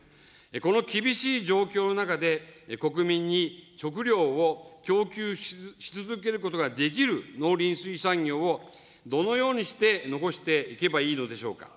この厳しい状況の中で、国民に食料を供給し続けることができる農林水産業を、どのようにして残していけばいいのでしょうか。